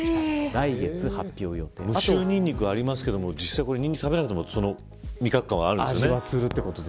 無臭ニンニクありますけど実際にニンニクを食べなくても味覚は感じるんですよね。